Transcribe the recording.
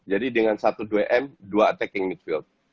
jadi dengan satu dua m dua attacking midfield